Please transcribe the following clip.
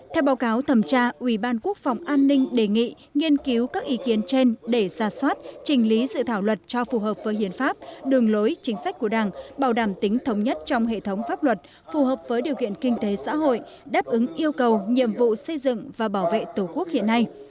theo báo cáo thẩm tra ubnd đề nghị nghiên cứu các ý kiến trên để ra soát trình lý sự thảo luật cho phù hợp với hiến pháp đường lối chính sách của đảng bảo đảm tính thống nhất trong hệ thống pháp luật phù hợp với điều kiện kinh tế xã hội đáp ứng yêu cầu nhiệm vụ xây dựng và bảo vệ tổ quốc hiện nay